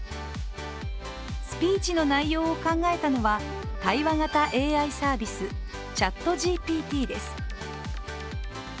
スピーチの内容を考えたのは、対話型ＡＩサービス、ＣｈａｔＧＰＴです。